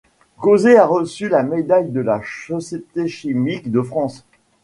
Ghosez a reçu la médaille de la Société Chimique de France.